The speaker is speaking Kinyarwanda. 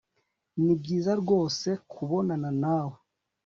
nibyiza rwose kubonana nawe